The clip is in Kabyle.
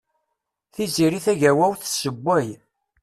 Tiziri Tagawawt tesewway.